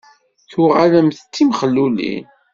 Tuɣalemt d timexlulin?